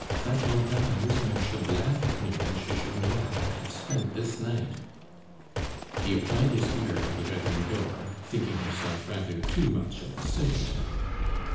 "Vat Montame de Nucingen should laugh at me ven she should know how I hafe spent dis night!" He applied his ear to the bedroom door, thinking himself rather too much of a simpleton.